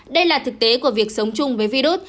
đây là thực tế của việc sống chung với virus